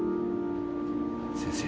先生。